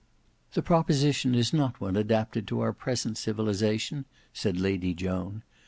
"The proposition is not one adapted to our present civilisation," said Lady Joan.